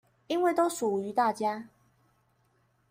因為都屬於大家